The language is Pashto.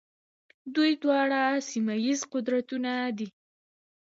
دوی دواړه سیمه ییز قدرتونه دي.